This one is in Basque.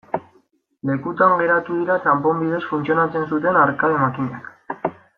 Lekutan geratu dira txanpon bidez funtzionatzen zuten arkade makinak.